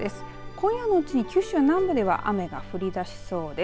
今夜のうちに九州南部では雨が降り出しそうです。